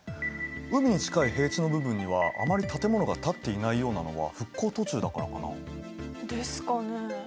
海に近い平地の部分にはあまり建物が建っていないようなのは復興途中だからかな？ですかね？